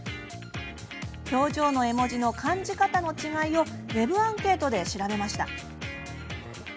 表情の絵文字の感じ方の違いをウェブアンケートで調べました。